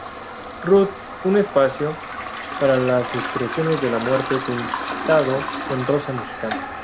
Ruth, un espacio para las expresiones de la muerte pintado en rosa mexicano.